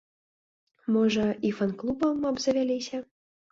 Можа, і фан-клубам абзавяліся?